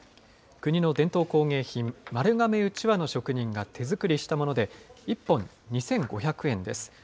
国の伝統工芸品、丸亀うちわの職人が手作りしたもので、１本２５００円です。